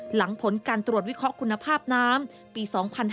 หลังผลการตรวจวิเคราะห์คุณภาพน้ำปี๒๕๕๙